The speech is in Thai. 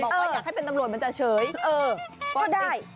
บอกว่าอยากให้เป็นตำรวจมันจะเฉยเออก็ได้